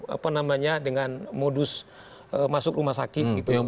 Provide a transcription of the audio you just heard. apa namanya dengan modus masuk rumah sakit gitu